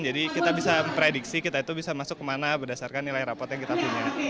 jadi kita bisa memprediksi kita itu bisa masuk kemana berdasarkan nilai raport yang kita punya